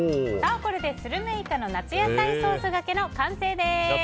これで、スルメイカの夏野菜ソースがけの完成です。